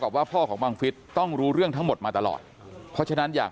ว่าพ่อของบังฟิศต้องรู้เรื่องทั้งหมดมาตลอดเพราะฉะนั้นอยาก